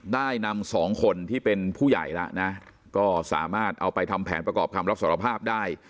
ได้นำสองคนที่เป็นผู้ใหญ่แล้วนะก็สามารถเอาไปทำแผนประกอบคำรับสารภาพได้